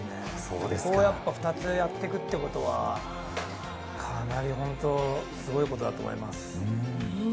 それを２つやっていくということは、かなりすごいことだと思います。